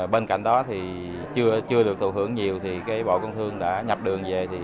bên cạnh đó thì chưa được thụ hưởng nhiều thì bộ công thương đã nhập đường về